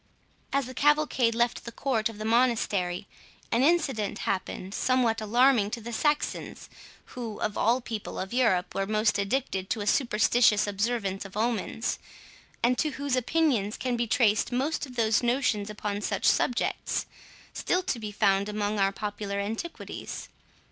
As the cavalcade left the court of the monastery, an incident happened somewhat alarming to the Saxons, who, of all people of Europe, were most addicted to a superstitious observance of omens, and to whose opinions can be traced most of those notions upon such subjects, still to be found among our popular antiquities.